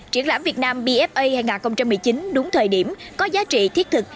triển lãm việt nam bfa hai nghìn một mươi chín đúng thời điểm có giá trị thiết thực